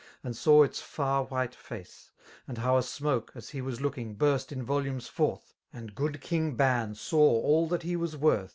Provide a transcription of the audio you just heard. And saw its fsur white face : and how a smoke. As he was loK^dng, burst in vxxLumes forth. And good King Ban^saw all that he was worth.